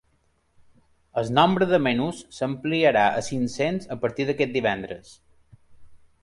El nombre de menús s’ampliarà a cinc-cents a partir d’aquest divendres.